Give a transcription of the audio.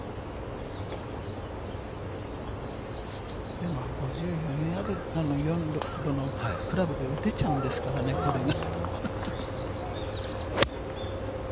でも５４度のクラブで打てちゃうんですからね、これが。